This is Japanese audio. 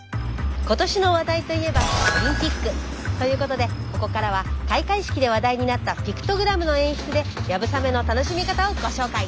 今年の話題といえばオリンピック。ということでここからは開会式で話題になったピクトグラムの演出で流鏑馬の楽しみ方をご紹介！